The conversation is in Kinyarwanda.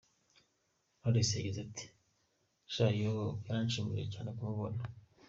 Knowless yagize ati :”Sha, yooo… byaranshimishije cyane kumubona.